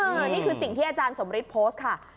นี่คือสิ่งที่อาจารย์สมฤทธิ์โพสต์ค่ะ